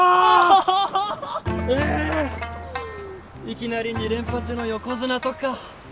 いきなり２連覇中の横綱とか。